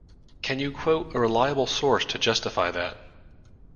Can you quote a reliable source to justify that?